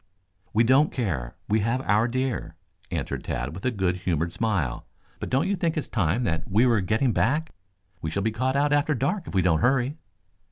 "We don't care. We have our deer," answered Tad with a good humored smile. "But don't you think it is time we were getting back? We shall be caught out after dark if we don't hurry."